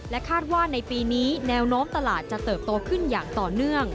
คาดว่าในปีนี้แนวโน้มตลาดจะเติบโตขึ้นอย่างต่อเนื่อง